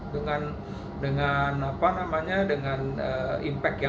dengan dengan apa namanya dengan impact yang